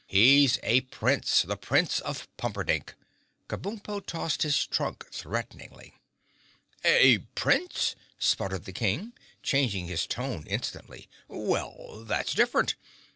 "He's a Prince—the Prince of Pumperdink!" Kabumpo tossed his trunk threateningly. "A Prince?" spluttered the King, changing his tone instantly. "Well, that's different.